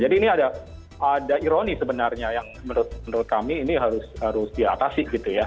jadi ini ada ironi sebenarnya yang menurut kami ini harus diatasi